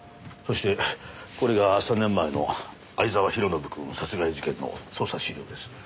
そしてこれが３年前の藍沢弘信くん殺害事件の捜査資料です。